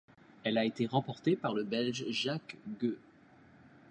Elle a été remportée par le Belge Jacques Geus.